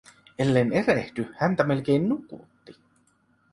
Ellen erehdy, häntä melkein nukutti.